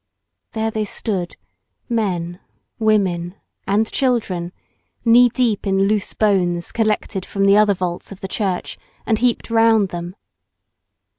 There they stood, men, women, and children, knee deep in loose bones collected from the other vaults of the church, and heaped round them.